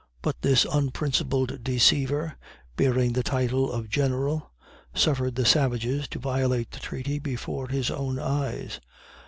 But this unprincipled deceiver, bearing the title of General, suffered the savages to violate the treaty before his own eyes.